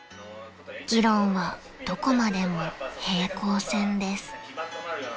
［議論はどこまでも平行線です］